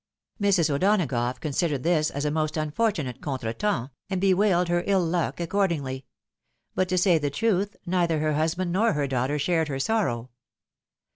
Mrs. O'Donagough considered this as a most unfortunate con tretems, and bewailed her iU luck accordingly ; but to say the truth, neither her husband nor her daughter shared her sorrow.